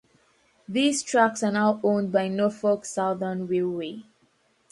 These tracks are now owned by Norfolk Southern Railway.